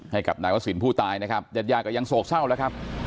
ให้กับนายวศิลป์ผู้ตายนะครับญาติยาก็ยังโศกเศร้าแล้วครับ